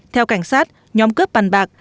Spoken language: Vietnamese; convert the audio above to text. theo cảnh sát nhóm cướp bàn bạc